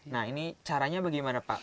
nah ini caranya bagaimana pak